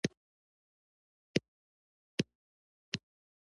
له ځانه مزاحمت لرې کاوه.